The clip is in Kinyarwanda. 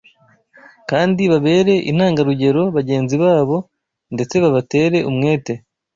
kandi babere intangarugero bagenzi babo ndetse babatere umwete